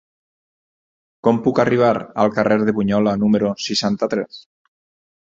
Com puc arribar al carrer de Bunyola número seixanta-tres?